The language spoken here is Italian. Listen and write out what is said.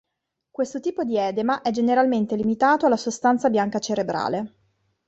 Questo tipo di edema è generalmente limitato alla sostanza bianca cerebrale.